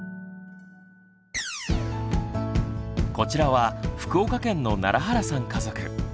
こちらは福岡県の楢原さん家族。